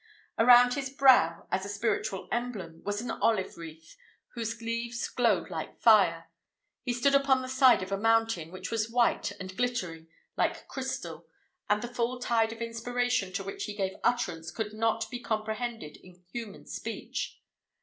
Around his brow, as a spiritual emblem, was an olive wreath, whose leaves glowed like fire. He stood upon the side of a mountain, which was white and glittering like crystal, and the full tide of inspiration to which he gave utterance could not be comprehended in human speech.